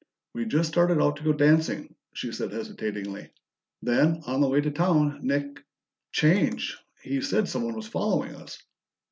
"We just started out to go dancing," she said hesitatingly. "Then, on the way to town, Nick changed. He said someone was following us."